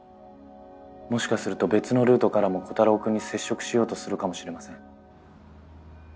もしかすると別のルートからもコタローくんに接触しようとするかもしれません。